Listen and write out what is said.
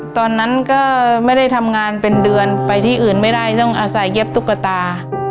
ตอนนั้นก็ไม่ได้ทำงานเป็นเดือนไปที่อื่นไม่ได้ต้องอาศัยเย็บตุ๊กตา